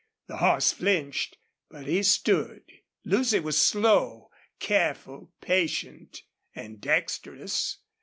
The horse flinched, but he stood. Lucy was slow, careful, patient, and dexterous.